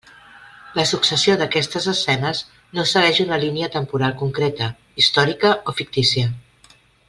La successió d'aquestes escenes no segueix una línia temporal concreta, històrica o fictícia.